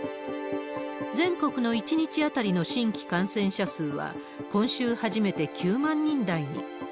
全国の１日当たりの新規感染者数は、今週初めて９万人台に。